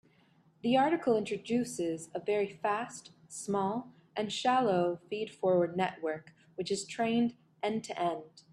The article introduces a very fast, small, and shallow feed-forward network which is trained end-to-end.